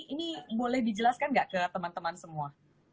ini boleh dijelaskan nggak ke teman teman semua